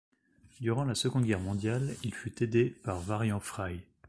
Durant la Seconde Guerre mondiale, il fut aidé par Varian Fry.